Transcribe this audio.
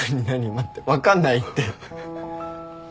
待って分かんないって。